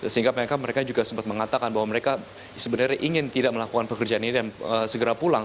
sehingga mereka juga sempat mengatakan bahwa mereka sebenarnya ingin tidak melakukan pekerjaan ini dan segera pulang